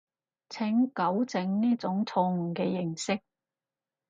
請糾正呢種錯誤嘅認識